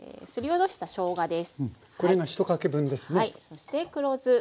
そして黒酢。